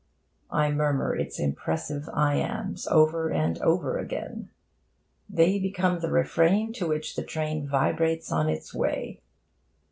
I murmur its impressive iambs over and over again. They become the refrain to which the train vibrates on its way.